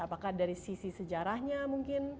apakah dari sisi sejarahnya mungkin